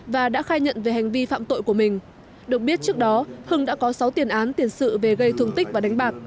và đã khai nhận về hành vi phạm tội của mình được biết trước đó hưng đã có sáu tiền án tiền sự về gây thương tích và đánh bạc